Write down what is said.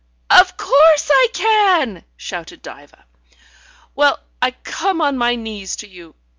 "Of course I can!" shouted Diva. "Well, I come on my knees to you.